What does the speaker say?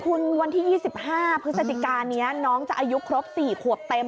คุณวันที่๒๕พฤศจิกานี้น้องจะอายุครบ๔ขวบเต็ม